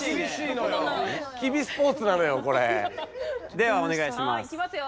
ではお願いします。